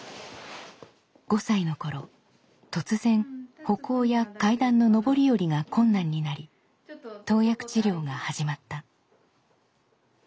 ５歳の頃突然歩行や階段の上り下りが困難になり投薬治療が始まった。